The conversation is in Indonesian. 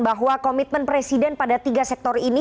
bahwa komitmen presiden pada tiga sektor ini